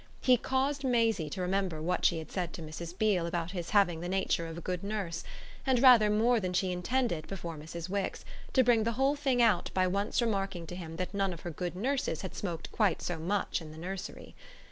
He caused Maisie to remember what she had said to Mrs. Beale about his having the nature of a good nurse, and, rather more than she intended before Mrs. Wix, to bring the whole thing out by once remarking to him that none of her good nurses had smoked quite so much in the nursery.